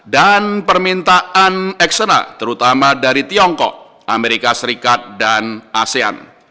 dan permintaan eksternal terutama dari tiongkok as dan asean